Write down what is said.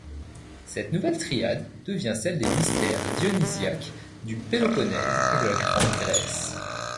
Cette nouvelle triade devient celle des mystères dionysiaques du Péloponnèse et de la Grande-Grèce.